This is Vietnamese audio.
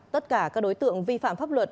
tất cả các đối tượng vi phạm pháp luật